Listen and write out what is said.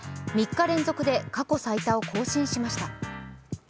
３日連続で過去最多を更新しました